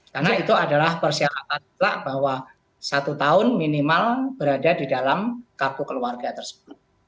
karena itu adalah persyaratan pula bahwa satu tahun minimal berada di dalam kartu keluarga tersebut